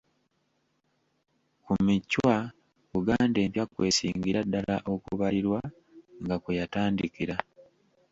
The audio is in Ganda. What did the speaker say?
Ku Michwa Buganda Empya kw'esingira ddala okubalirwa nga kwe yatandikira.